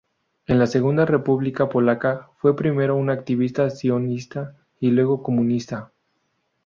En la Segunda República Polaca, fue primero un activista sionista y, luego, comunista.